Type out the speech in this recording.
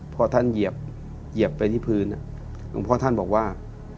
พอท่านเหยียบไปที่พื้นหลวงพ่อท่านบอกว่า